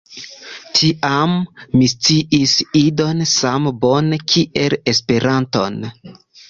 Tiam mi sciis Idon same bone kiel Esperanton.